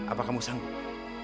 apa kamu sanggup